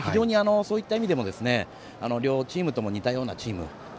そういう点でも両チーム似たようなチーム。